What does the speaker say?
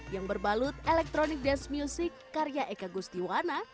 yang berbalut elektronik dance music karya eka gustiwana